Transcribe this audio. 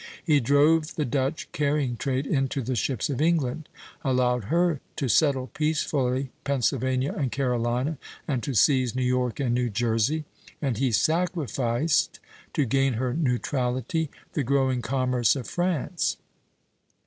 He drove the Dutch carrying trade into the ships of England; allowed her to settle peacefully Pennsylvania and Carolina, and to seize New York and New Jersey; and he sacrificed, to gain her neutrality, the growing commerce of France.